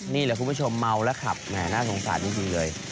นี่แหละคุณผู้ชมเมาและขับน่าสงสารนิดนึงเลย